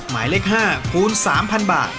หมายเลข๕คูณ๓๐๐บาท